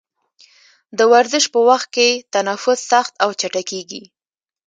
د ورزش په وخت کې تنفس سخت او چټکېږي.